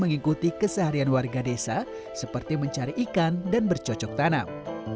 mengikuti keseharian warga desa seperti mencari ikan dan bercocok tanam